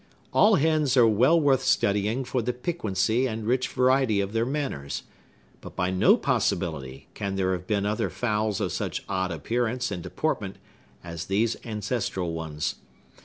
All hens are well worth studying for the piquancy and rich variety of their manners; but by no possibility can there have been other fowls of such odd appearance and deportment as these ancestral ones.